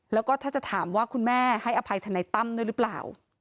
แล้วก็ถ้าจะถามว่าคุณแม่ให้อภัยทนายตั้มด้วยหรือเปล่า